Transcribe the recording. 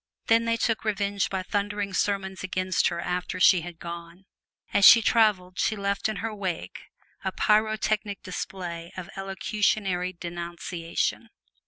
Then they took revenge by thundering sermons against her after she had gone. As she traveled she left in her wake a pyrotechnic display of elocutionary denunciation.